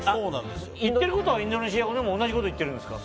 言ってることはインドネシア語でも同じこと言ってるんですか？